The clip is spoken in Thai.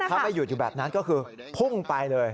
ถ้าไม่หยุดอยู่แบบนั้นก็คือพุ่งไปเลย